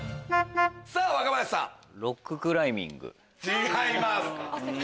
違います。